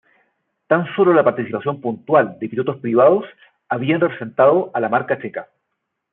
Tan solo la participación puntual de pilotos privados habían representado a la marca checa.